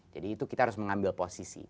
jadi itu kita harus mengambil posisi